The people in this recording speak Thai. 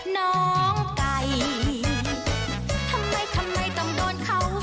น้องไก่ทำไมทำไมต้องโดนเขา